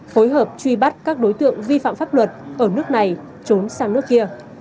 phối hợp truy bắt các đối tượng vi phạm pháp luật ở nước này trốn sang nước kia